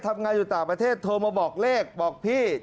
ทำงานอยู่ต่างประเทศโทรมาบอกเลขบอกพี่